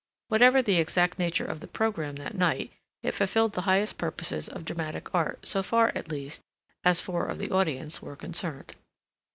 Whatever the exact nature of the program that night, it fulfilled the highest purposes of dramatic art, so far, at least, as four of the audience were concerned.